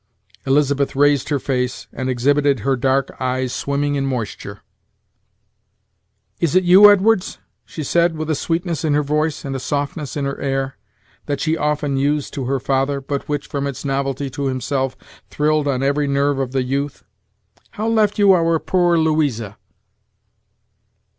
Elizabeth raised her face, and exhibited her dark eyes swimming in moisture. "Is it you, Edwards?" she said, with a sweetness in her voice, and a softness in her air, that she often used to her father, but which, from its novelty to himself, thrilled on every nerve of the youth; "how left you our poor Louisa?"